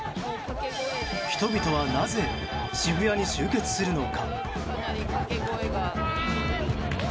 人々はなぜ渋谷に集結するのか。